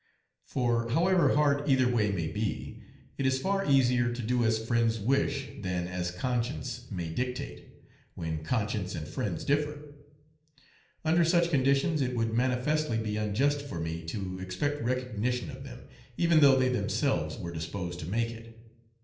For however hard either way may be, it is far easier to do as friends wish than as conscience may dictate, when conscience and friends differ. Under such conditions it would manifestly be unjust for me to expect recognition of them, even though they themselves were disposed to make it.